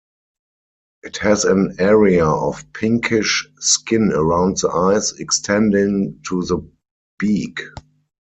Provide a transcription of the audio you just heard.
It has an area of pinkish skin around the eyes extending to the beak.